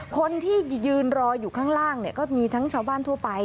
คนที่ยืนรออยู่ข้างล่างก็มีทั้งชาวบ้านทั่วไป